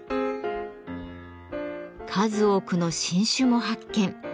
数多くの新種も発見。